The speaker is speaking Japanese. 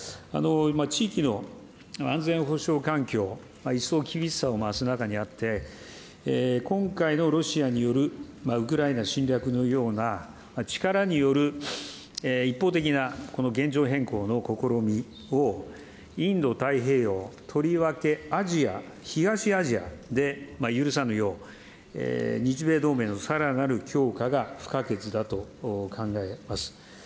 地域の安全保障環境、一層厳しさを増す中にあって、今回のロシアによるウクライナ侵略のような力による一方的なこの現状変更の試みを、インド太平洋、とりわけアジア、東アジアで許さぬよう、日米同盟のさらなる強化が不可欠だと考えます。